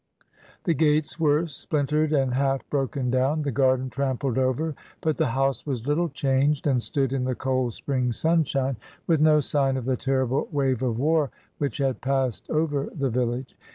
The gates were splintered and half broken down, the garden trampled over, but the house was little changed and stood in the cold spring sunshine, with no sign of the terrible wave of war which had passed over the village.